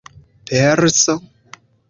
perso